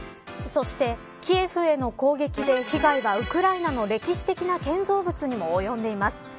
そしてキエフへの攻撃で被害がウクライナの歴史的な建造物にも及んでいます。